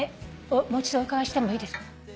もう一度お伺いしてもいいですか？